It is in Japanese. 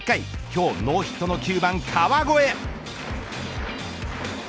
今日ノーヒットの９番、川越。